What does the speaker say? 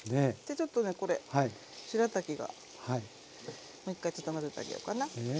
ちょっとねこれしらたきがもう一回ちょっと混ぜてあげようかな。